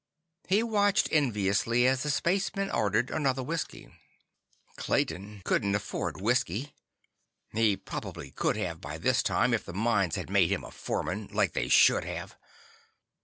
He watched enviously as the spaceman ordered another whiskey. Clayton couldn't afford whiskey. He probably could have by this time, if the mines had made him a foreman, like they should have.